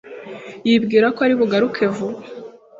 yibwira ko ari bugaruke vuba.